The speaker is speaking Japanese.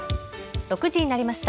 ６時になりました。